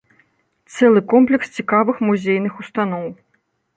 Цэлы комплекс цікавых музейных устаноў.